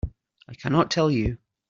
I cannot tell you.